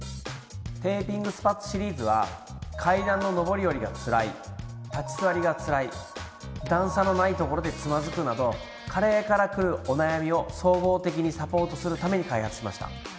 テーピングスパッツシリーズは階段の上り下りがつらい立ち座りがつらい段差のない所でつまずくなど加齢からくるお悩みを総合的にサポートするために開発しました。